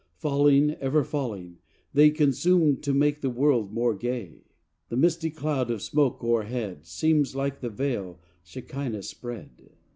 Falling, ever falling, they, Consumed to make the world more gay; The misty cloud of smoke o'erhead Seems like the veil Shakina spread.